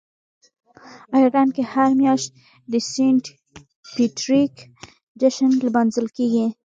آیرلنډ کې هر کال د "سینټ پیټریک" جشن لمانځل کیږي.